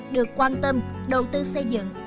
được quan tâm đầu tư xây dựng